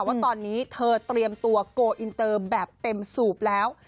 ว่าตอนนี้เธอเตรียมตัวโกลอินเตอร์แบบเต็มสูบแล้ว